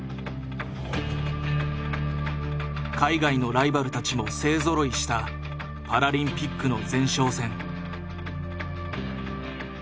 海外のライバルたちも勢ぞろいしたパラリンピックの前哨戦。